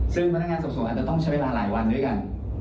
ซึ่งพนักงานสอบสวนอาจจะต้องใช้เวลาหลายวันด้วยกัน